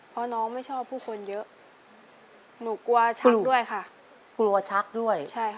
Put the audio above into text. เพราะน้องไม่ชอบผู้คนเยอะหนูกลัวชักด้วยค่ะ